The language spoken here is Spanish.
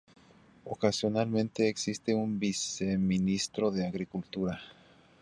Ocasionalmente existe un viceministro de Agricultura.